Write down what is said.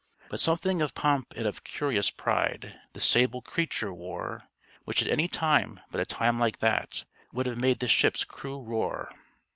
But something of pomp and of curious pride The sable creature wore, Which at any time but a time like that Would have made the ship's crew roar.